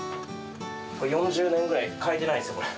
これ４０年ぐらい替えてないんですよ、これ。